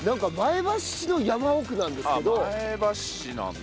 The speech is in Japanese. ああ前橋市なんだ。